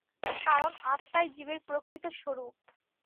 কারণ আত্মাই জীবের প্রকৃত স্বরূপ।